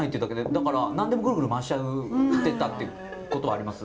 だから何でもぐるぐる回しちゃってたってことはあります。